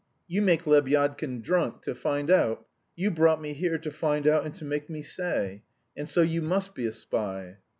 "You make Lebyadkin drunk to find out. You brought me here to find out and to make me say. And so you must be a spy."